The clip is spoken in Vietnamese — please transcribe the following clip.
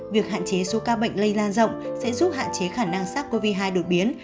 việc hạn chế số ca bệnh lây lan rộng sẽ giúp hạn chế khả năng sars cov hai đột biến